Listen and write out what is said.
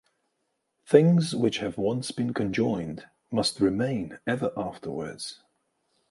Things which have once been conjoined must remain ever afterwards.